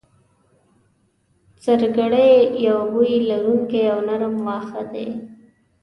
سرګړی یو بوی لرونکی او نرم واخه دی